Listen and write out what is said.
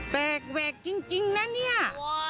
แปลกจริงนะเนี่ย